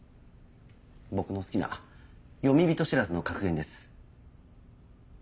僕の好きな詠み人知らずの格言です。